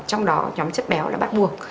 trong đó nhóm chất béo là bắt buộc